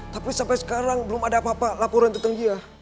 tapi sampai sekarang belum ada apa apa laporan tentang dia